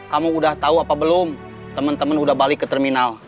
kamu udah tahu apa belum teman teman udah balik ke terminal